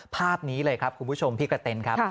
ภาพนี้เลยครับคุณผู้ชมพี่กระเต็นครับ